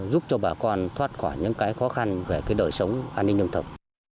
giúp cho bà con thoát khỏi những cái khó khăn về cái đời sống an ninh nông thập